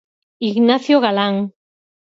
Ignacio Galán.